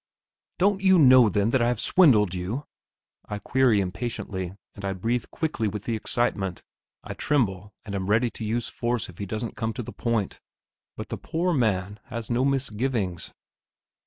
"Don't you know, then, that I have swindled you?" I query impatiently, and I breathe quickly with the excitement; I tremble and am ready to use force if he doesn't come to the point. But the poor man has no misgivings.